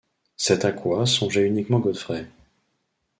C’est à quoi songeait uniquement Godfrey.